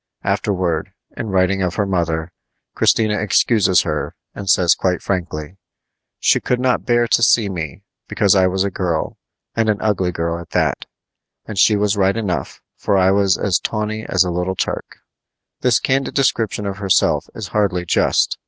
Afterward, in writing of her mother, Christina excuses her, and says quite frankly: She could not bear to see me, because I was a girl, and an ugly girl at that. And she was right enough, for I was as tawny as a little Turk. This candid description of herself is hardly just.